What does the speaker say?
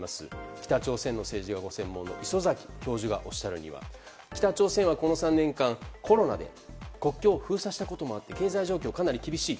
北朝鮮の政治がご専門の礒崎教授がおっしゃられるには北朝鮮は、この３年間コロナで国境を封鎖したこともあって経済状況がかなり厳しい。